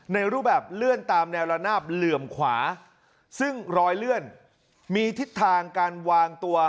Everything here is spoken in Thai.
ในรูปแบบเลื่อนตามแนวระนาบเหลื่อมขวาซึ่งรอยเลื่อนมีทิศทางการวางตัว